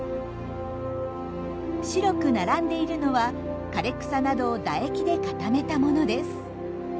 白く並んでいるのは枯れ草などを唾液で固めたものです。